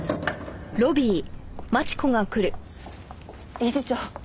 理事長！